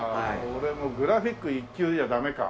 俺もグラフィック１級じゃダメか。